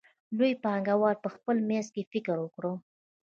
لویو پانګوالو په خپل منځ کې فکر وکړ